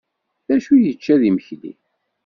D acu i yečča d imekli?